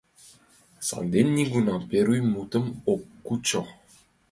Санден нигунам первый мутым ок кучо.